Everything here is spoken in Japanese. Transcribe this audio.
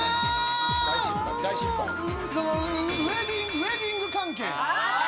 ウエディング関係。